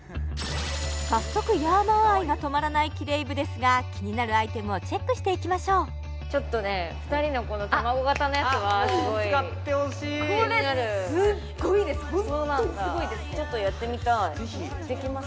早速ヤーマン愛が止まらないキレイ部ですが気になるアイテムをチェックしていきましょうちょっとね２人のこの卵型のやつがすごい使ってほしいこれすごいですホントにすごいですちょっとやってみたいできます？